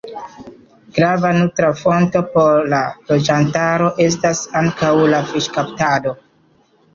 Grava nutra fonto por la loĝantaro estas ankaŭ la fiŝkaptado.